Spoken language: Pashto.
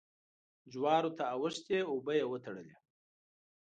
جوارو ته اوښتې اوبه يې وتړلې.